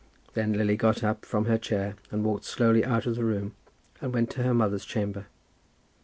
Then Lily got up from her chair and walked slowly out of the room, and went to her mother's chamber.